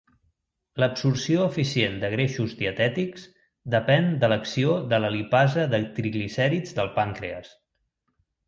L'absorció eficient de greixos dietètics depèn de l'acció de la lipasa de triglicèrids del pàncrees.